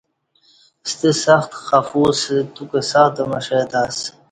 ستہ سختہ خفو اسہ، تو کہ سختہ مشہ تہ اسہ